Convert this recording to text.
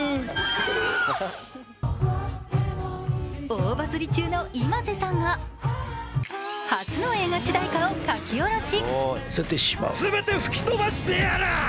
大バズリ中のｉｍａｓｅさんが初の映画主題歌を書き下ろし。